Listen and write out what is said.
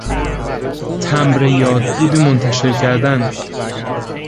تمبر یاد بود منتشر کردن